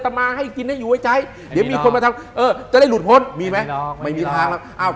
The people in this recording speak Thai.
แต่มาให้กินให้อยู่ไว้ใจจะได้หลุดพ้นไม่มีทางแล้ว